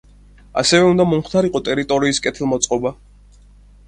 ასევე უნდა მომხდარიყო ტერიტორიის კეთილმოწყობა.